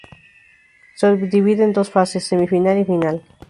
Se divide en dos fases: semifinal y final.